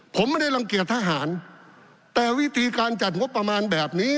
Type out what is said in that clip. ผมไม่ได้รังเกียจทหารแต่วิธีการจัดงบประมาณแบบนี้